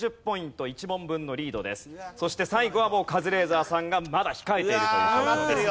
そして最後はカズレーザーさんがまだ控えているという状況です。